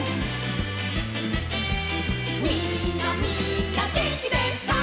「みんなみんなげんきですか？」